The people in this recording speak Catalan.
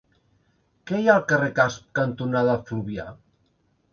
Què hi ha al carrer Casp cantonada Fluvià?